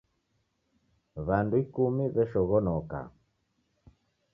W'andu ikumi w'eshoghonoka.